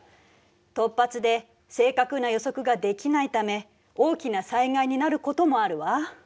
突発で正確な予測ができないため大きな災害になることもあるわ。